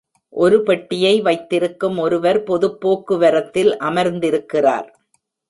ஒரு பெட்டியை வைத்திருக்கும் ஒருவர் பொதுப் போக்குவரத்தில் அமர்ந்திருக்கிறார்.